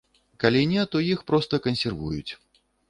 Калі не, то іх проста кансервуюць.